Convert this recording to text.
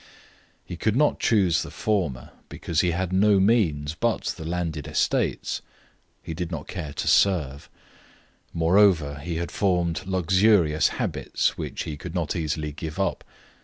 He could not choose the former because he had no means but the landed estates (he did not care to serve); moreover, he had formed luxurious habits which he could not easily give up.